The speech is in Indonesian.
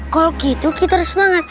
kalau gitu kita harus semangat